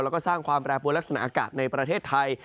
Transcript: แล้วก็สร้างความแปรปวนลักษณะอากาศในประเทศไทย